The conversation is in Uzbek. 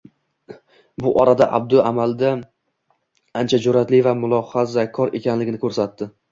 Bu orada Abdu amalda ancha jur`atli va mulohazakor ekanligini ko`rsatdi